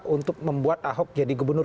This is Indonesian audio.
untuk membuat ahok jadi gubernur